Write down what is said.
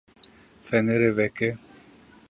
Fenerê veke.